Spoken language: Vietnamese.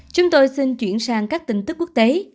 chúng tôi xin chuyển sang các tin tức quốc tế